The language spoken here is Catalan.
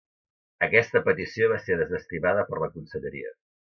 Aquesta petició va ser desestimada per la conselleria.